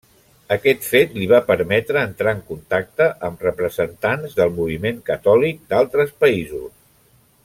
Aquest fet li va permetre entrar en contacte amb representants del moviment catòlic d’altres països.